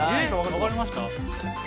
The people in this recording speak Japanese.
分かりました？